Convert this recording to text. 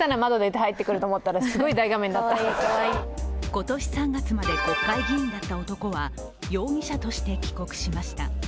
今年３月まで国会議員だった男は容疑者として帰国しました。